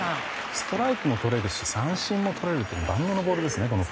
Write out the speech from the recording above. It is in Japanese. ストライクもとれるし三振もとれるという万能のボールですね。